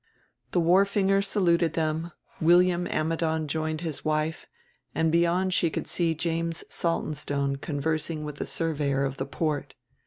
The wharfinger saluted them, William Ammidon joined his wife, and beyond she could see James Saltonstone conversing with the Surveyor of the Port.